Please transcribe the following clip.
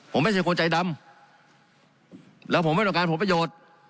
ผมไม่ใช่คนใจดำแล้วผมไม่ต้องการผลประโยชน์